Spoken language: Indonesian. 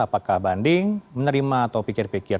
apakah banding menerima atau pikir pikir